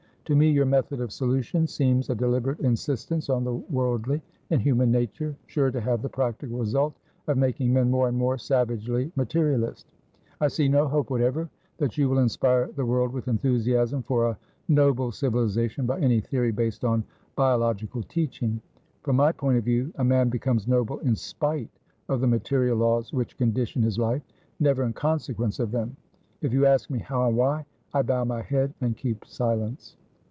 To me your method of solution seems a deliberate insistence on the worldly in human nature, sure to have the practical result of making men more and more savagely materialist: I see no hope whatever that you will inspire the world with enthusiasm for a noble civilisation by any theory based on biological teaching. From my point of view, a man becomes noble in spite of the material laws which condition his life, never in consequence of them. If you ask me how and whyI bow my head and keep silence."